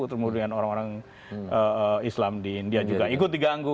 kemudian orang orang islam di india juga ikut diganggu